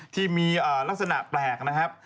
ที่มีลักษณะแปลกนะครับ